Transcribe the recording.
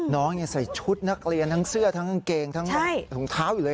น้องใส่ชุดนักเรียนทั้งเสื้อทั้งกางเกงทั้งถุงเท้าอยู่เลย